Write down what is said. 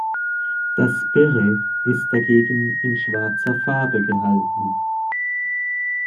Das Beret ist dagegen in schwarzer Farbe gehalten.